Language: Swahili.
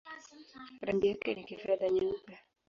Rangi yake ni kifedha-nyeupe.